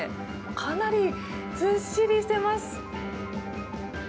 かなり、ずっしりしています。